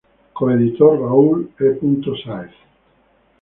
Co-editor: Raúl E. Sáez.